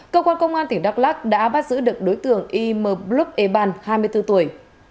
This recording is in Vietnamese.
cơ quan công an tỉnh đắk lắc đã bắt giữ được đối tượng im bluk eban hai mươi bốn tuổi